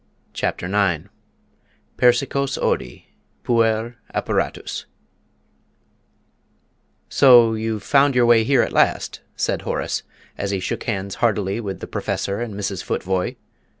CHAPTER IX "PERSICOS ODI, PUER, APPARATUS" "So you've found your way here at last?" said Horace, as he shook hands heartily with the Professor and Mrs. Futvoye.